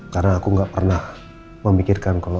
karena aku gak pernah memikirkan kalau